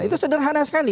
itu sederhana sekali